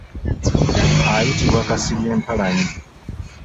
Ayitibwa Kasirye Mpalanyi.